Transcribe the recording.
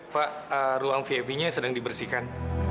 pak ruang vip nya sedang dibersihkan